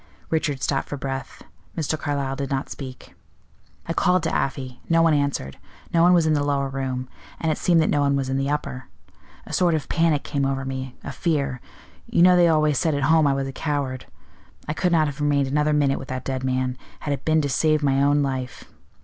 Richard stopped for breath. Mr. Carlyle did not speak. "I called to Afy. No one answered. No one was in the lower room; and it seemed that no one was in the upper. A sort of panic came over me, a fear. You know they always said at home I was a coward: I could not have remained another minute with that dead man, had it been to save my own life.